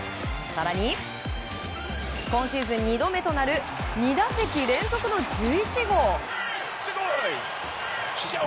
更に、今シーズン２度目となる２打席連続の１１号。